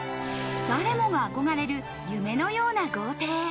誰もが憧れる夢のような豪邸。